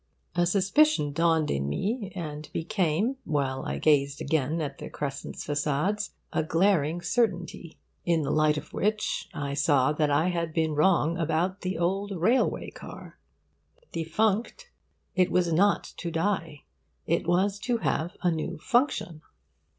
A suspicion dawned in me, and became, while I gazed again at the crescent's facades, a glaring certainty; in the light of which I saw that I had been wrong about the old railway car. Defunct, it was not to die. It was to have a new function.